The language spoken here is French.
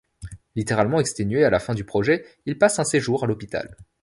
Littéralement exténué à la fin du projet, il passe un séjour à l'hôpital.